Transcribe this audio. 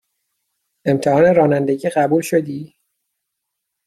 امتحان رانندگی قبول شدی؟